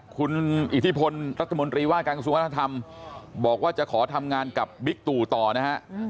คุณอิทธิพลรัฐมนตรีว่าการกระทรวงวัฒนธรรมบอกว่าจะขอทำงานกับบิ๊กตู่ต่อนะฮะ